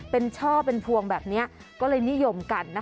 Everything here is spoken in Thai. เป็นช่อเป็นพวงแบบนี้ก็เลยนิยมกันนะคะ